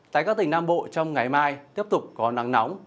tại các tỉnh nam bộ trong ngày mai tiếp tục có nắng nóng